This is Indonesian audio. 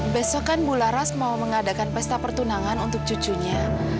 besok kan mula ras mau mengadakan pesta pertunangan untuk cucunya